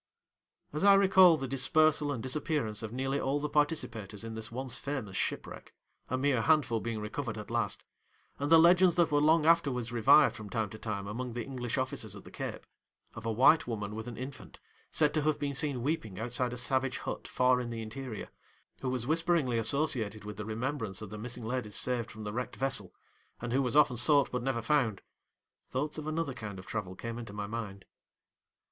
As I recall the dispersal and disappearance of nearly all the participators in this once famous shipwreck (a mere handful being recovered at last), and the legends that were long afterwards revived from time to time among the English officers at the Cape, of a white woman with an infant, said to have been seen weeping outside a savage hut far in the interior, who was whisperingly associated with the remembrance of the missing ladies saved from the wrecked vessel, and who was often sought but never found, thoughts of another kind of travel came into my mind.